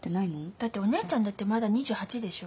だってお姉ちゃんだってまだ２８でしょ？